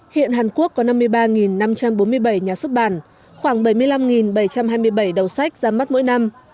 hiện hàn quốc có năm mươi ba năm trăm bốn mươi bảy nhà xuất bản khoảng bảy mươi năm bảy trăm hai mươi bảy đầu sách ra mắt mỗi năm